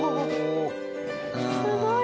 すごい！